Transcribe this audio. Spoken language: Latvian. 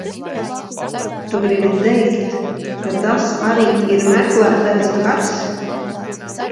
Tu gribi teikt, ka tas arī ir meklētais gars?